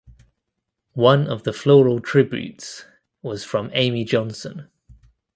One of the floral tributes was from Amy Johnson.